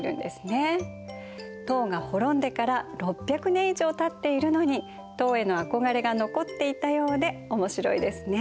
唐が滅んでから６００年以上たっているのに唐への憧れが残っていたようで面白いですね。